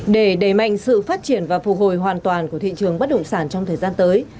để đẩy mạnh sự phát triển và phù hồi hoàn toàn của thị trường bất động sản trong thời gian tới